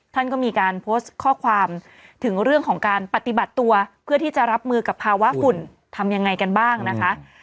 ท่านก็มีการโพสต์ข้อความถึงเรื่องของการปฏิบัติตัวเพื่อที่จะรับมือกับภาวะฝุ่นทำยังไงกันบ้างนะคะ